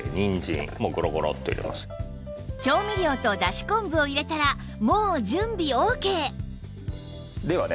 調味料とだし昆布を入れたらもう準備オーケーではね